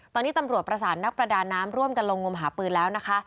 ตอนนี้ตำรวจประสานนักประดาน้ำร่วมกันลงงมหาปืนแล้วนะคะ